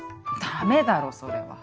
駄目だろそれは。